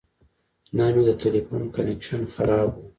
نن مې د تلیفون کنکشن خراب و.